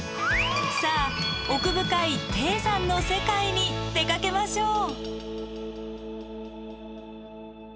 さあ奥深い低山の世界に出かけましょう。